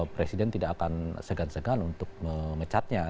presiden tidak akan segan segan untuk memecatnya